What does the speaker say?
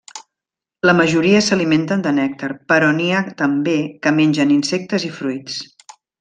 La majoria s'alimenten de nèctar, però n'hi ha també que mengen insectes i fruits.